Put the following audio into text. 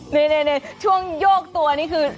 ในช่วงโยกตัวนี่คือ